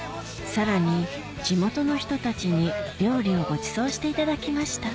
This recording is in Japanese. さらに地元の人たちに料理をごちそうしていただきました